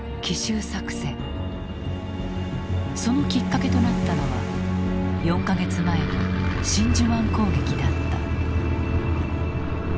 そのきっかけとなったのは４か月前の真珠湾攻撃だった。